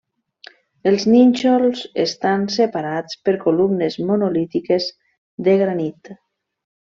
Els nínxols estan separats per columnes monolítiques de granit.